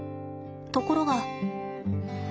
ところが。